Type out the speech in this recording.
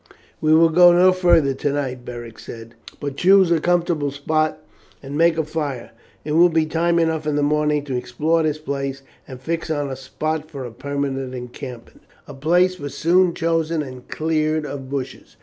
"We will go no farther tonight," Beric said; "but choose a comfortable spot and make a fire. It will be time enough in the morning to explore this place and fix on a spot for a permanent encampment." A place was soon chosen and cleared of bushes.